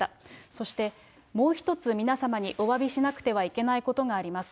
そして、もう一つ皆様におわびしなくてはいけないことがあります。